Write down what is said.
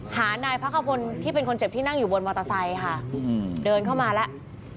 หานายพระขพลที่เป็นคนเจ็บที่นั่งอยู่บนมอเตอร์ไซค์ค่ะเดินเข้ามาแล้ว